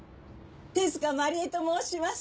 手塚真理絵と申します。